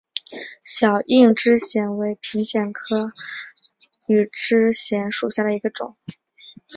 小硬枝藓为平藓科羽枝藓属下的一个种。